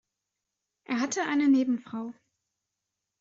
Er hatte eine Nebenfrau.